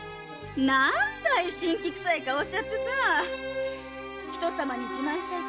何だい辛気くさい顔しちゃってさ人様に自慢したいくらいだよ。